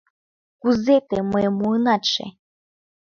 Кузе тый мыйым муынатше?